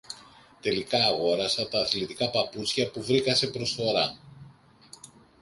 Τελικά αγόρασα τα αθλητικά παπούτσια που βρήκα σε προσφορά.